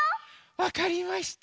わかりました。